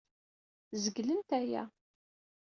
Zeglent aya.